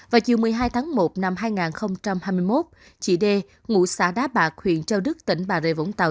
vào chiều một mươi hai tháng một năm hai nghìn hai mươi một chị đê ngụ xã đá bạc huyện châu đức tỉnh bà rệ vũng tàu